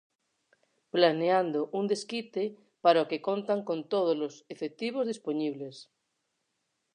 Planeando un desquite para o que contan con tódolos efectivos dispoñibles.